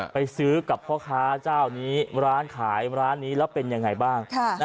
ไปสืบกับพ่อค้านี้ร้านขายร้านนี้แล้วเป็นอย่างไรบ้าง